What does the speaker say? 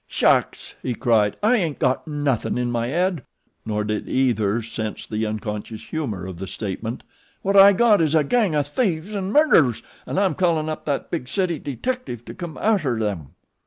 "Shucks!" he cried. "I ain't got nothin' in my head," nor did either sense the unconscious humor of the statement. "What I got is a gang o' thieves an' murderers, an' I'm callin' up thet big city deetectiff to come arter 'em."